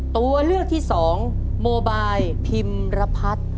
ตัวเลือกที่สองโมบายพิมรพัฒน์